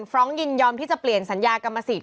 ฟร้องเกย์ยินย้ำที่จะเปลี่ยนสัญญากรรมสิทธิ์